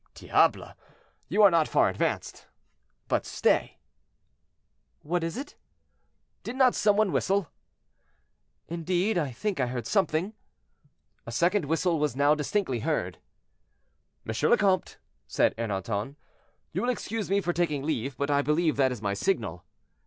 "Diable! you are not far advanced. But stay." "What is it?" "Did not some one whistle?" "Indeed, I think I heard something." A second whistle was now distinctly heard. "M. le Comte," said Ernanton, "you will excuse me for taking leave, but I believe that is my signal."